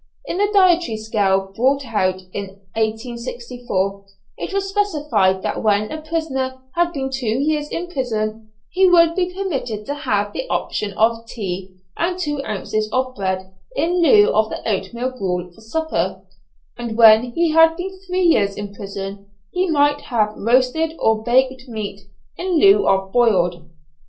In the dietary scale brought out in 1864, it was specified that when a prisoner had been two years in prison, he would be permitted to have the option of tea and two ounces of bread in lieu of the oatmeal gruel for supper, and when he had been three years in prison he might have roasted or baked meat in lieu of boiled.